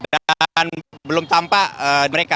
dan belum tampak mereka